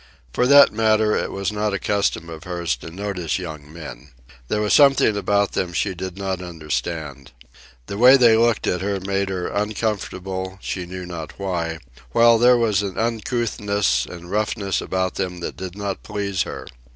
For that matter, it was not a custom of hers to notice young men. There was something about them she did not understand. The way they looked at her made her uncomfortable, she knew not why; while there was an uncouthness and roughness about them that did not please her.